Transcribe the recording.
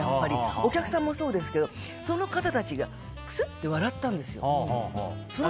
お客さんもそうなんですけどその方たちがクスって笑ったんですよ。